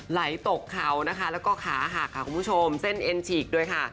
ไหลตกเขานะคะแล้วก็ขาหักค่ะคุณผู้ชมเส้นเอ็นฉีกด้วยค่ะ